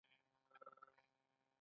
د حیواناتو پوستکی چرم دی